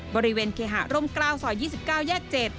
บริเวณเขหารมกล้าวสอย๒๙แยก๗